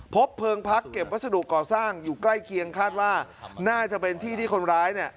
เพิงพักเก็บวัสดุก่อสร้างอยู่ใกล้เคียงคาดว่าน่าจะเป็นที่ที่คนร้ายเนี่ย